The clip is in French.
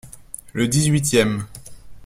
Le dix-huitième.